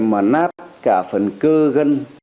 mà nát cả phần cơ gân